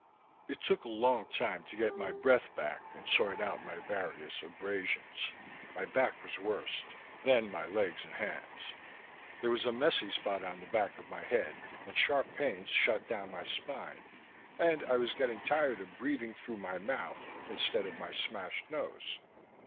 It took a long time to get my breath back and sort out my various abrasions. My back was worst then my legs and hands. There was a messy spot on the back of my head and sharp pains shot down my spine, and I was getting tired of breathing through my mouth instead of my smashed nose.